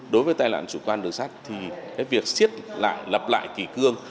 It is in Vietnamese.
đối với tai nạn chủ quan đường sắt thì cái việc xiết lại lập lại kỳ cương